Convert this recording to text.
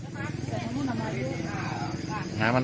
ปลอดภัยที่เกินมาสักแค่๕นาที